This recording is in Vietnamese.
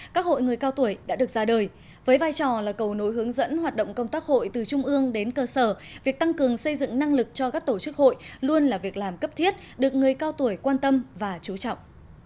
các hội người cao tuổi đã được ra đời với vai trò là cầu nối hướng dẫn hoạt động công tác hội từ trung ương đến cơ sở việc tăng cường xây dựng năng lực cho các tổ chức hội luôn là việc làm cấp thiết được người cao tuổi quan tâm và chú trọng